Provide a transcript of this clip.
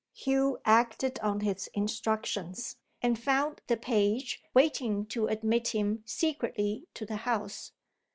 Hugh acted on his instructions, and found the page waiting to admit him secretly to the house.